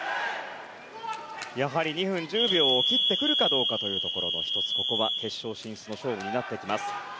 やはり２分１０秒を切ってくるかどうかというところが１つ、ここは決勝進出の勝負になってきます。